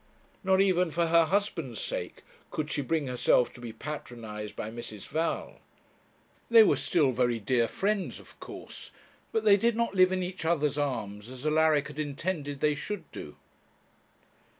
Not even for her husband's sake could she bring herself to be patronized by Mrs. Val. They were still very dear friends, of course; but they did not live in each other's arms as Alaric had intended they should do.